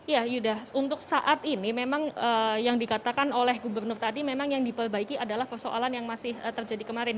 ya yuda untuk saat ini memang yang dikatakan oleh gubernur tadi memang yang diperbaiki adalah persoalan yang masih terjadi kemarin